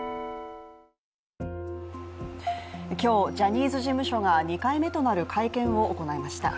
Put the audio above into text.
今日、ジャニーズ事務所が２回目となる会見を行いました。